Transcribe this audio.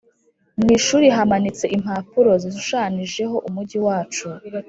mwishuri hamanitse impapuro zishushanijeho umujyi wacu